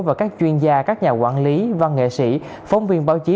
và các chuyên gia các nhà quản lý văn nghệ sĩ phóng viên báo chí